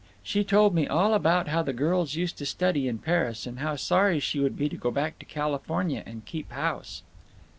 She told me all about how the girls used to study in Paris, and how sorry she would be to go back to California and keep house."